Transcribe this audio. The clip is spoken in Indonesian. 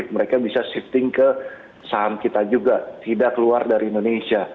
mereka bisa shifting ke saham kita juga tidak keluar dari indonesia